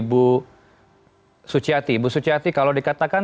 ibu suciati kalau dikatakan ibu suciati kalau dikatakan